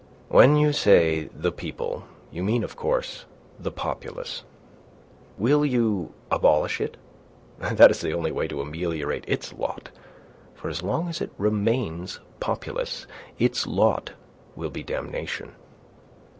"When you say the people you mean, of course, the populace. Will you abolish it? That is the only way to ameliorate its lot, for as long as it remains populace its lot will be damnation."